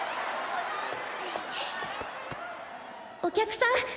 お客さん